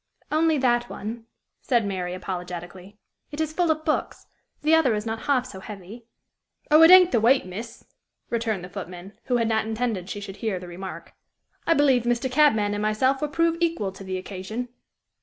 "Only that one," said Mary, apologetically. "It is full of books. The other is not half so heavy." "Oh, it ain't the weight, miss!" returned the footman, who had not intended she should hear the remark. "I believe Mr. Cabman and myself will prove equal to the occasion."